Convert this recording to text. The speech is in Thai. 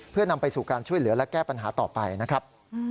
เพื่อนำไปสู่การช่วยเหลือและแก้ปัญหาต่อไปนะครับ